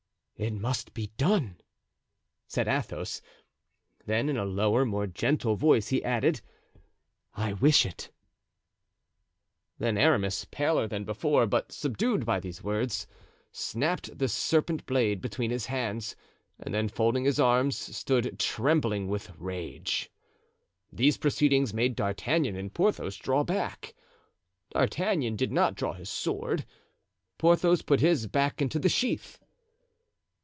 "It must be done," said Athos; then in a lower and more gentle voice, he added. "I wish it." Then Aramis, paler than before, but subdued by these words, snapped the serpent blade between his hands, and then folding his arms, stood trembling with rage. These proceedings made D'Artagnan and Porthos draw back. D'Artagnan did not draw his sword; Porthos put his back into the sheath.